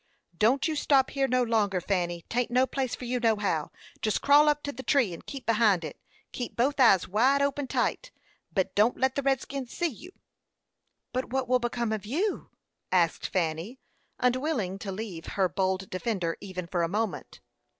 "Don't you stop here no longer, Fanny; 'taint no place for you, nohow. Jest crawl up to the tree, and keep behind it. Keep both eyes wide open tight, but don't let the redskins see you." "But what will become of you?" asked Fanny, unwilling to leave her bold defender even for a moment.